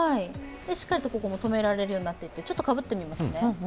しっかりと、ここもとめられるようになっていて、ちょっとかぶってみますね。